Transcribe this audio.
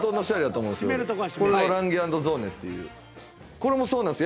これもそうなんす。